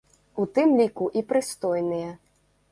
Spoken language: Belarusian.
У тым ліку і прыстойныя.